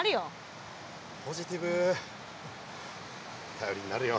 頼りになるよ。